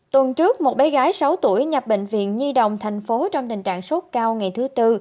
tuần trước một bé gái sáu tuổi nhập bệnh viện nhi đồng tp hcm trong tình trạng sốt cao ngày thứ tư